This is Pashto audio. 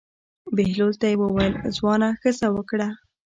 بهلول ته یې وویل: ځوانه ښځه وکړه.